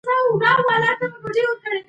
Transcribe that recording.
پارلمان سوداګریزه هوکړه نه لغوه کوي.